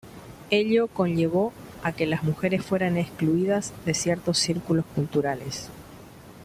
Ello conllevó a que las mujeres fueran excluidas de ciertos círculos culturales.